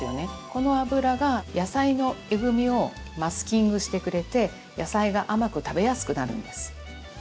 この油が野菜のえぐみをマスキングしてくれて野菜が甘く食べやすくなるんです。